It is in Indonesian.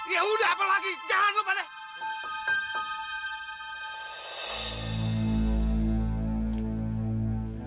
ya udah apa lagi jangan lupa deh